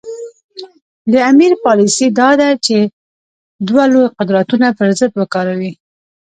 د امیر پالیسي دا ده چې دوه لوی قدرتونه پر ضد وکاروي.